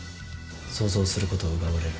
想像する事を奪われる。